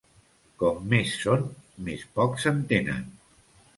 Com més són, més poc s'entenen.